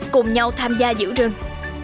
cùng nhau tham gia giữ rừng